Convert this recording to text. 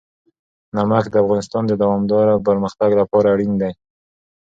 نمک د افغانستان د دوامداره پرمختګ لپاره اړین دي.